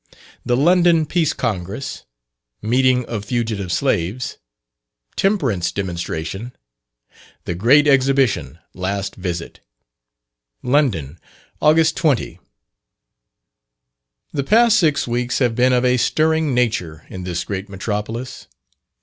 The London Peace Congress Meeting of Fugitive Slaves Temperance Demonstration The Great Exhibition: last visit. LONDON, August 20. The past six weeks have been of a stirring nature in this great metropolis.